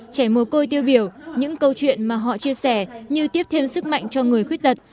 trẻ mồ côi tiêu biểu những câu chuyện mà họ chia sẻ như tiếp thêm sức mạnh cho người khuyết tật